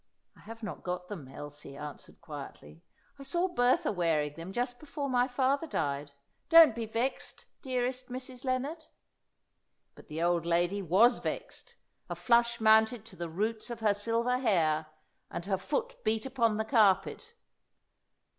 "I have not got them," Elsie answered quietly. "I saw Bertha wearing them just before my father died. Don't be vexed, dearest Mrs. Lennard." But the old lady was vexed; a flush mounted to the roots of her silver hair, and her foot beat upon the carpet.